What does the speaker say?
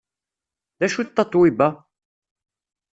D acu d Tatoeba?